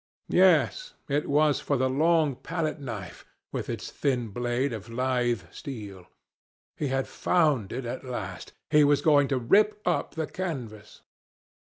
Yes, it was for the long palette knife, with its thin blade of lithe steel. He had found it at last. He was going to rip up the canvas.